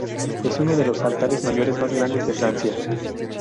Es uno de los altares mayores más grandes de Francia.